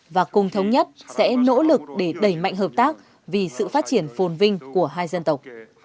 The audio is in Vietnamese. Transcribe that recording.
và cùng thống nhất sẽ nỗ lực để đẩy mạnh hợp tác vì sự phát triển phồn vinh của hai dân tộc